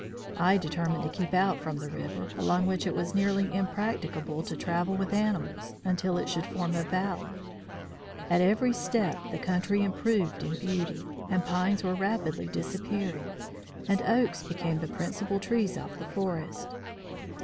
I determined to keep out from the river, along which it was nearly impracticable to travel with animals, until it should form a valley. At every step the country improved in beauty; the pines were rapidly disappearing, and oaks became the principal trees of the forest.